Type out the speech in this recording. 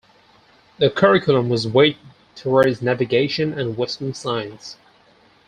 The curriculum was weighed towards navigation and western science.